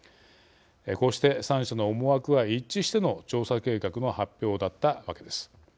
こうして３者の思惑が一致しての調査計画の発表だったわけです。